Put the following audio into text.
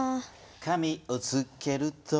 「紙をつけると」